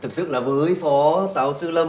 thực sự là với phó sáu sư lâm